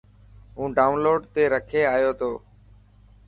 هون ڊائون لوڊ تي رکي آيو تو.